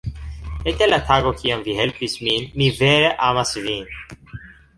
Ekde la tago kiam vi helpis min, mi vere amas vin.